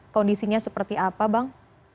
kondisinya seperti apa bang